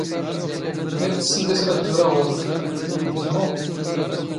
ⵢⴰⴽ ⵜⵙⵙⵏⴷ ⵉⵙ ⵔⴰⴷ ⴷ ⵓⵔ ⴰⵖⵓⵍⵖ, ⵏⵖ ⴷ ⵓⵀⵓ?